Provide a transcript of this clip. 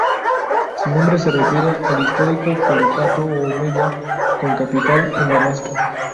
Su nombre se refiere al histórico califato omeya, con capital en Damasco.